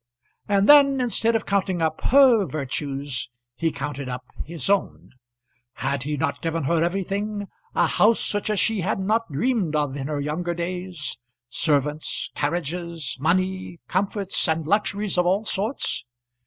And then, instead of counting up her virtues, he counted up his own. Had he not given her everything; a house such as she had not dreamed of in her younger days? servants, carriages, money, comforts, and luxuries of all sorts?